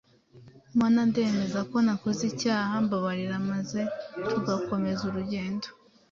Mana ndemeza ko nakoze icyaha, mbabarira” maze tugakomeza urugendo.